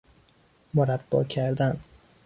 مربا کردن